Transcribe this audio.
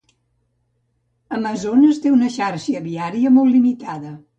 Amazones té una xarxa viària molt limitada.